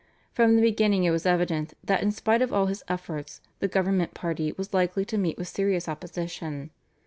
From the beginning it was evident that in spite of all his efforts the government party was likely to meet with serious opposition.